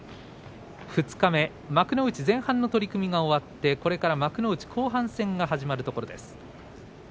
二日目の幕内前半の取組が終わって、これから幕内後半戦が始まるところです。